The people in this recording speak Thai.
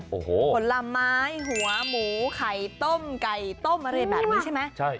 โอ้โหผลไม้หัวหมูไข่ต้มไก่ต้มอะไรแบบนี้ใช่ไหม